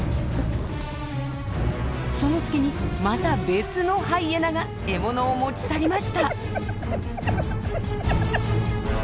その隙にまた別のハイエナが獲物を持ち去りました。